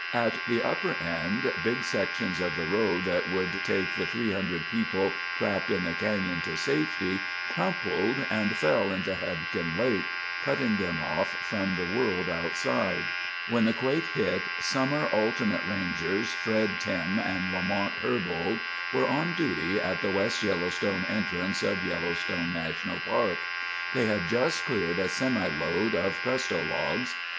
At the upper end, big sections of the road that would take the 300 people trapped in the canyon to safety crumpled and fell into Hebgen Lake, cutting them off from the world outside. [Illustration: Earthquake blocked road] When the quake hit, summer Alternate Rangers Fred Tim and Lamont Herbold were on duty at the West Yellowstone entrance of Yellowstone National Park. They had just cleared a semi load of Pres to Logs.